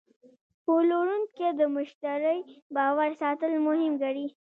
پلورونکی د مشتری باور ساتل مهم ګڼي.